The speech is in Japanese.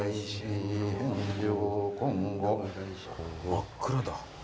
真っ暗だ。